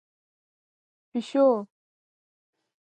🐈 پېشو